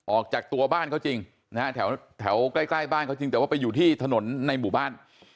ออกจากตัวบ้านเขาจริงนะฮะแถวใกล้บ้านเขาจริงแต่ว่าไปอยู่ที่ถนนในหมู่บ้าน